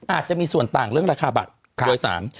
อาจจะมีส่วนต่างเรื่องราคาบัตรโดยสาร